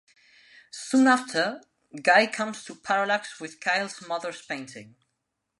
Soon after, Guy comes to Parallax with Kyle's mother's painting.